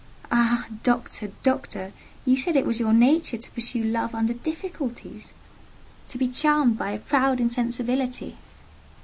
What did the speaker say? "Ah, Doctor! Doctor! you said it was your nature to pursue Love under difficulties—to be charmed by a proud insensibility!".